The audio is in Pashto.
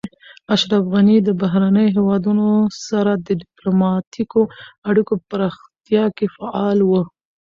اشرف غني د بهرنیو هیوادونو سره د ډیپلوماتیکو اړیکو په پراختیا کې فعال و.